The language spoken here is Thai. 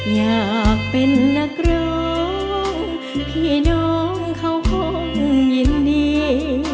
อยากเป็นนักร้องพี่น้องเขาคงยินดี